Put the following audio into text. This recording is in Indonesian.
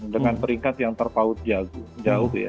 dengan peringkat yang terpaut jauh ya